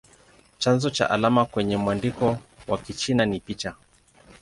Chanzo cha alama kwenye mwandiko wa Kichina ni picha.